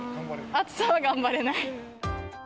暑さは頑張れない。